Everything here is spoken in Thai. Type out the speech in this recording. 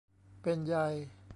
เป็นไย